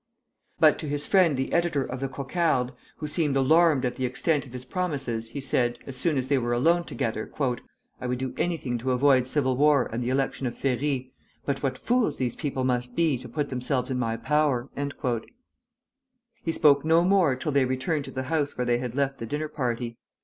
But to his friend the editor of the "Cocarde," who seemed alarmed at the extent of his promises, he said, as soon as they were alone together, "I would do anything to avoid civil war and the election of Ferry; but what fools these people must be to put themselves in my power!" He spoke no more till they returned to the house where they had left the dinner party.